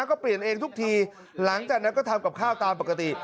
ก็เปลี่ยนเองทุกทีหลังจากนั้นก็ทำกับข้าวตามปกติ